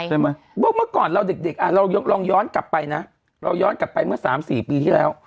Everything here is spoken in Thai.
เมื่อก่อนเราเด็กเราลองย้อนกลับไปนะเราย้อนกลับไปเมื่อ๓๔ปีที่แล้ว